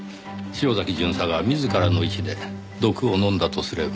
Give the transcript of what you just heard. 潮崎巡査が自らの意志で毒を飲んだとすれば。